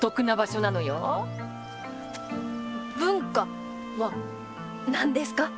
文化は何ですか？